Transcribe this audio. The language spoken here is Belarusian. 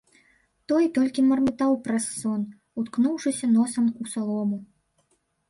Той толькі мармытаў праз сон, уткнуўшыся носам у салому.